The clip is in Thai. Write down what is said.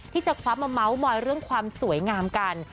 ที่จะคว้ามาเมาส์มอยเรื่องความสวยงามกัน